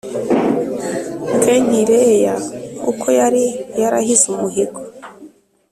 Kenkireya kuko yari yarahize umuhigo